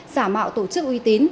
giả mạo tổ chức uy tín